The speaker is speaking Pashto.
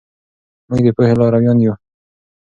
موږ د پوهې لارویان یو.